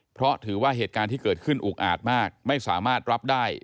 เพราะถือว่าเหตุการณ์ที่เกิดขึ้นอุกอาจมากไม่สามารถรับได้